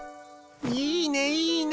いいねいいね。